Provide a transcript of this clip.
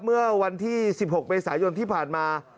เมื่อวันที่๑๖เมษายนที่ผ่านมา